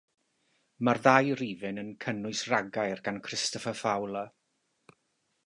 Mae'r ddau rifyn yn cynnwys rhagair gan Christopher Fowler.